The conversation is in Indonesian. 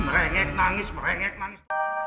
merengek nangis merengek nangis